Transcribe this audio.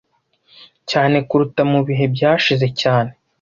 cyane kuruta mu bihe byashize cyane